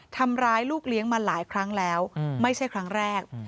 ทำร้ายลูกเลี้ยงมาหลายครั้งแล้วไม่ใช่ครั้งแรก